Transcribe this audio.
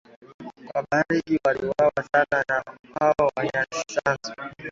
Wabarbaig waliuwawa sana sana na hao Wanyisanzu